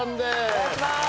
お願いします！